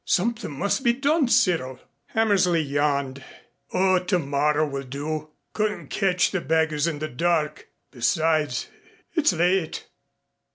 Something must be done, Cyril." Hammersley yawned. "Oh, tomorrow will do. Couldn't catch the beggars in the dark. Besides, it's late.